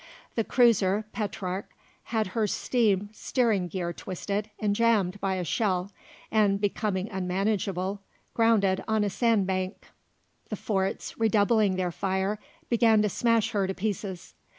The cruiser Petrarch had her steam steering gear twisted and jammed by a shell, and becoming unmanageable grounded on a sand bank. The forts, redoubling their fire, began to smash her to pieces.